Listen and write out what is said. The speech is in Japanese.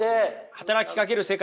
働きかける世界。